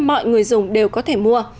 mọi người dùng đều có thể mua